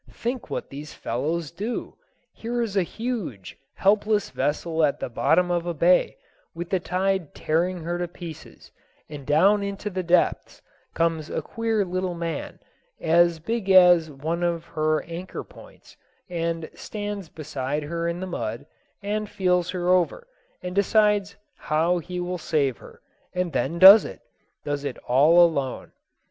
Think what these fellows do! Here is a huge, helpless vessel at the bottom of a bay, with the tide tearing her to pieces, and down into the depths comes a queer little man, as big as one of her anchor points, and stands beside her in the mud, and feels her over, and decides how he will save her; and then does it does it all alone.